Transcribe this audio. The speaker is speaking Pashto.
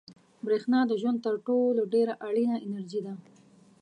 برېښنا د ژوند تر ټولو ډېره اړینه انرژي ده.